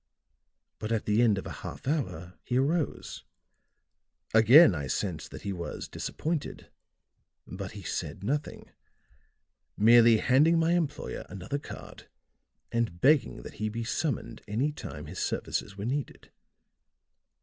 But at the end of a half hour he arose; again I sensed that he was disappointed; but he said nothing, merely handing my employer another card and begging that he be summoned any time his services were needed.